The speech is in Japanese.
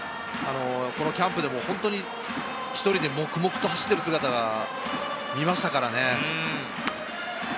このキャンプでも本当に１人で黙々と走っている姿を見ましたからね。